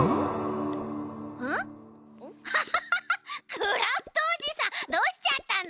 クラフトおじさんどうしちゃったの？